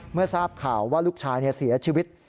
เมื่อทราบข่าวว่าลูกชายเสียชีวิต